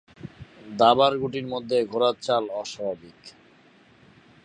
দাবার গুটির মধ্যে ঘোড়ার চাল অস্বাভাবিক।